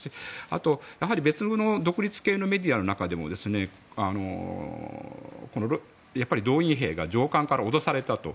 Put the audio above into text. あとは、別の独立系メディアの中でも動員兵が上官から脅されたと。